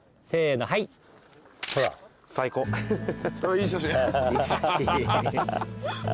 いい写真。